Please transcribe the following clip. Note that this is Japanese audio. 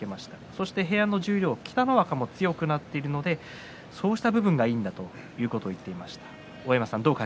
そして部屋の十両北の若も強くなっているのでそうした部分がいいんだということを言っていました。